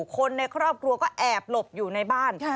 คนในครอบครัวก็แอบหลบอยู่ในบ้าน